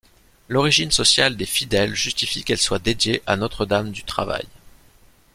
L’origine sociale des fidèles justifie qu’elle soit dédiée à Notre-Dame du Travail.